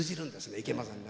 いけませんね。